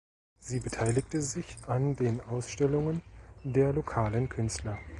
Sie beteiligte sich an den Ausstellungen der lokalen Künstler.